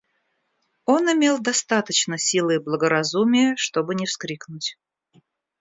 Он имел достаточно силы и благоразумия, чтобы не вскрикнуть.